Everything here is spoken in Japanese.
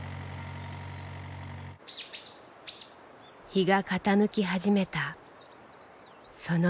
日が傾き始めたその時。